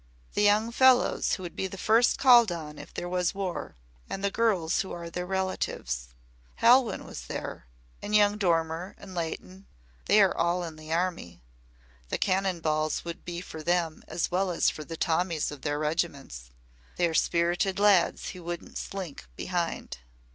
"The young fellows who would be first called on if there was war. And the girls who are their relatives. Halwyn was there and young Dormer and Layton they are all in the army. The cannon balls would be for them as well as for the Tommies of their regiments. They are spirited lads who wouldn't slink behind.